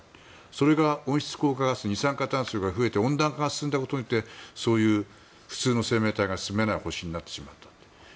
それが、温室効果ガス二酸化炭素が増えて温暖化が進んだことによって普通の生命体が住めない星になってしまった。